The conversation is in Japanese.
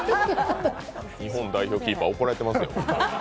日本代表キーパー怒られてますよ。